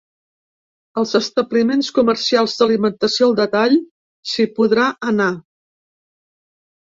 Als establiments comercials d’alimentació al detall, s’hi podrà anar.